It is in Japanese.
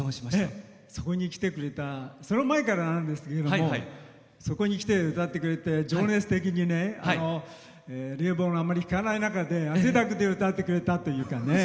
そこに来てくれたその前からなんですけどもそこに来て歌ってくれて情熱的に冷房があまりきかない中で汗だくで歌ってくれたというかね。